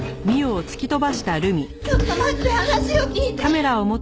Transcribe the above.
ちょっと待って話を聞いて！